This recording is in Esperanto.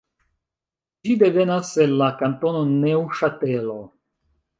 Ĝi devenas el la kantono Neŭŝatelo.